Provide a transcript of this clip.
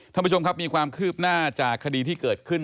ท่านผู้ชมครับมีความคืบหน้าจากคดีที่เกิดขึ้น